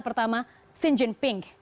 pertama xi jinping